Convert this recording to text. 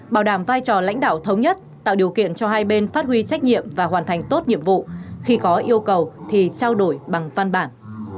bảo đảm vai trò lãnh đạo thống nhất tạo điều kiện cho hai bên phát huy trách nhiệm và hoàn thành tốt nhiệm vụ khi có yêu cầu thì trao đổi bằng văn bản